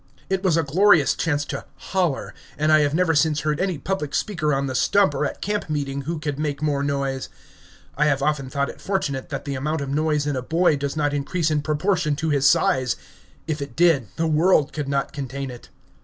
It was a glorious chance to "holler," and I have never since heard any public speaker on the stump or at camp meeting who could make more noise. I have often thought it fortunate that the amount of noise in a boy does not increase in proportion to his size; if it did, the world could not contain it.